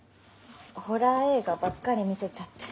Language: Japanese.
ホラー映画ばっかり見せちゃって。